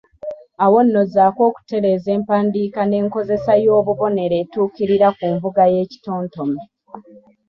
Awo nno zzaako okutereeza empandiika n’enkozesa y’obubonero etuukira ku nvuga y’ekitontome.